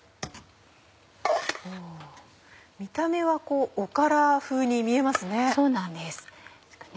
見た目はおから風に見えますね。